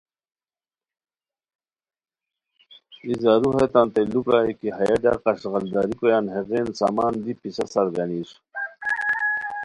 ای زارو ہیتانتے لوُ پرائے کی ہیہ ڈق اݱغالداری کویان ہیغین سامان دی پِسہ سار گانیر